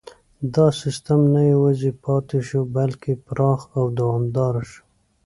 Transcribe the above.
دا سیستم نه یوازې پاتې شو بلکې پراخ او دوامداره شو.